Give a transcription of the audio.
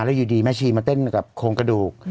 แล้วอยู่ดีแม่ชีมาเต้นกับโครงกระดูก